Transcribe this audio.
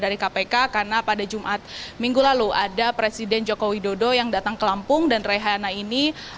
dari kpk karena pada jumat minggu lalu ada presiden joko widodo yang datang ke lampung dan rehana ini